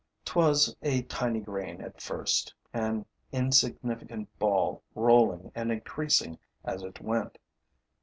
'Twas a tiny grain at first, an insignificant ball rolling and increasing as it went.